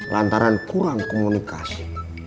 lantaran kurang komunikasi